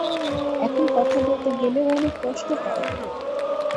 এখন কথা বলতে গেলেও অনেক কষ্ট হয়।